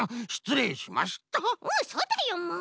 うんそうだよもう！